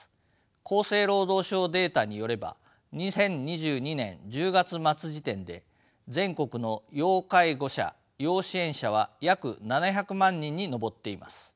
厚生労働省データによれば２０２２年１０月末時点で全国の要介護者・要支援者は約７００万人に上っています。